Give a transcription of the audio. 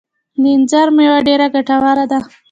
د انځر مېوه ډیره ګټوره ده